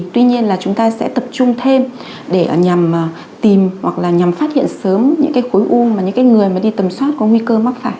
tuy nhiên là chúng ta sẽ tập trung thêm để nhằm tìm hoặc là nhằm phát hiện sớm những cái khối u mà những người mà đi tầm soát có nguy cơ mắc phải